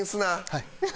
はい。